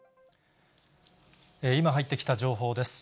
今入ってきた情報です。